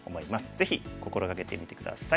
ぜひ心掛けてみて下さい。